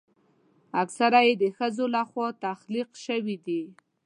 اکثره یې د ښځو لخوا تخلیق شوي دي.